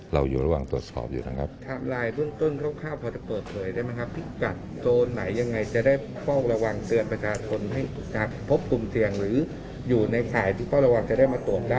อยู่ระหว่างตรวจสอบอยู่นะครับ